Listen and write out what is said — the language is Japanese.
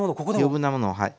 余分なものをはい。